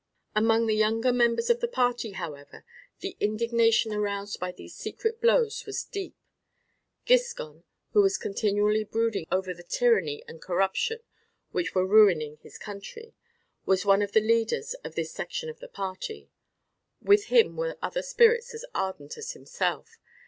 Among the younger members of the party, however, the indignation aroused by these secret blows was deep. Giscon, who was continually brooding over the tyranny and corruption which were ruining his country, was one of the leaders of this section of the party; with him were other spirits as ardent as himself.